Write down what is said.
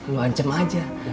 lu ancam aja